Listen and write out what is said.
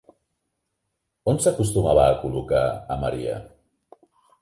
On s'acostumava a col·locar a Maria?